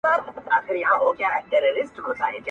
شكر دى چي مينه يې په زړه كـي ده~